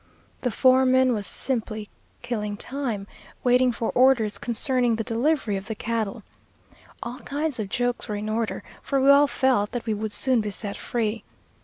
The foreman was simply killing time, waiting for orders concerning the delivery of the cattle. All kinds of jokes were in order, for we all felt that we would soon be set free.